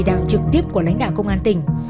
chỉ đạo trực tiếp của lãnh đạo công an tỉnh